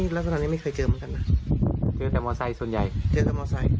ลักษณะนี้ไม่เคยเจอเหมือนกันนะเจอแต่มอไซค์ส่วนใหญ่เจอแต่มอไซค